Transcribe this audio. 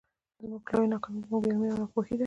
زموږ لويه ناکامي زموږ بې علمي او ناپوهي ده.